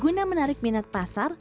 guna menarik minat pasar